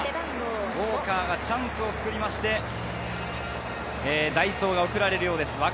ウォーカーがチャンスを作りまして、代走が送られるようです。